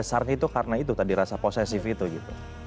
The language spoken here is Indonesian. karena itu karena itu tadi rasa posesif itu gitu